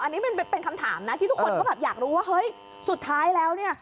อันนี้มันเป็นคำถามนะที่ทุกคนก็แบบอยากรู้ว่าเฮ้ยสุดท้ายแล้วเนี่ย